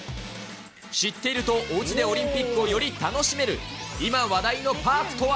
知っているとおうちでオリンピックをより楽しめる、今話題のパークとは。